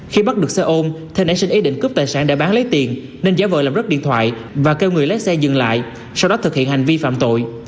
khi bắt được xe ôm thê nãy xin ý định cướp tài sản đã bán lấy tiền nên giáo vợ làm rớt điện thoại và kêu người lái xe dừng lại sau đó thực hiện hành vi phạm tội